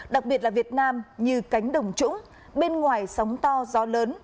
đặc biệt là việt nam như cánh đồng trũng bên ngoài sóng to gió lớn